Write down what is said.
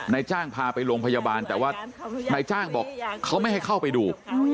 นายจ้างพาไปโรงพยาบาลแต่ว่านายจ้างบอกเขาไม่ให้เข้าไปดู